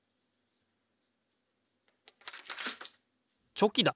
チョキだ！